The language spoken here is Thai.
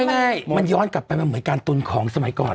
แบบเมื่อการฑึ่งมันย้อนกลับไปเหมือนการตุนของสมัยก่อน